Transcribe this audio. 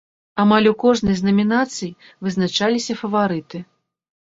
Амаль у кожнай з намінацый вызначыліся фаварыты.